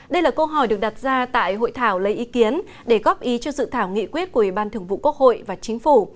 đây là câu hỏi được đặt ra tại hội thảo lấy ý kiến để góp ý cho dự thảo nghị quyết của ủy ban thường vụ quốc hội và chính phủ